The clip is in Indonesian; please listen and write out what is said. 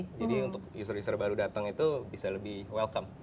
jadi untuk user user baru datang itu bisa lebih welcome